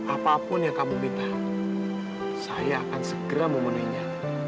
apapun yang kamu minta saya akan segera memenuhinya